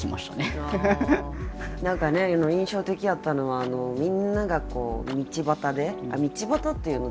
何かね印象的やったのはみんながこう道端で道端っていうの？